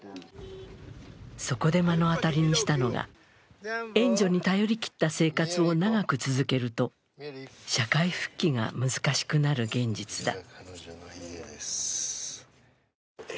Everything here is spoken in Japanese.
そこで目の当たりにしたのが、援助に頼りきった生活を長く続けると社会復帰が難しくなる現実だ。